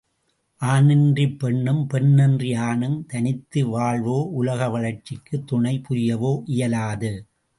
ஆணின்றிப் பெண்ணும், பெண்ணின்றி ஆணும் தனித்து வாழவோ உலக வளர்ச்சிக்குத் துணை புரியவோ இயலாது.